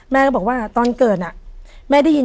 แม่ก็บอกว่าตอนเกิดแม่ได้ยิน